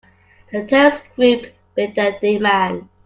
The terrorist group made their demand.